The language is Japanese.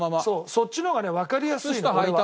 そうそっちの方がねわかりやすいの俺は。